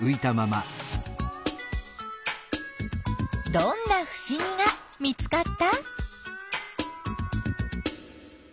どんなふしぎが見つかった？